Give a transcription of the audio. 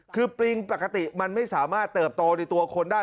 คือปริงปกติมันไม่สามารถเติบโตในตัวคนได้